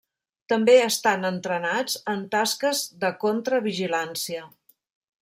També estan entrenats en tasques de contra vigilància.